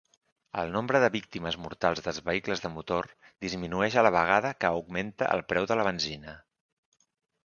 El nombre de víctimes mortals dels vehicles de motor disminueix a la vegada que augmenta el preu de la benzina.